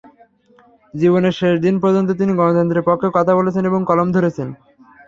জীবনের শেষ দিন পর্যন্ত তিনি গণতন্ত্রের পক্ষে কথা বলেছেন এবং কলম ধরেছেন।